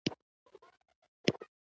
د قلم څوکې جوړوي او درومې